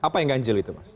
apa yang ganjil itu mas